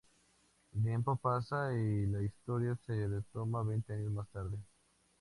El tiempo pasa, y la historia se retoma veinte años más tarde.